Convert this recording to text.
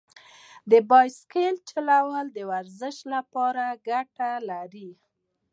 د بایسکل چلول د ورزش لپاره ګټور دي.